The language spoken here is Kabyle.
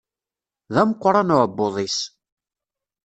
D ameqqran uɛebbuḍ-is.